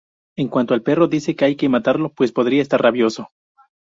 En cuanto al perro dice que hay que matarlo, pues podría estar rabioso.